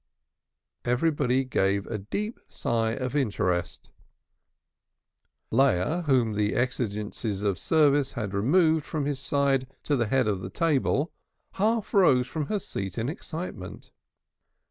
Everybody gave a sigh of deep interest; Leah, whom the exigencies of service had removed from his side to the head of the table, half rose from her seat in excitement.